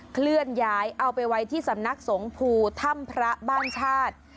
เคลื่อนย้ายเอาไปไว้ที่สำนักสงภูถ้ำพระบ้านชาติ